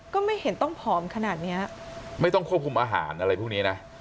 ก็ไม่เห็นต้องผอมขนาดเนี้ยไม่ต้องควบคุมอาหารอะไรพวกนี้นะ